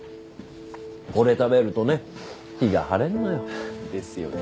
これ食べるとね気が晴れるのよ。ですよね。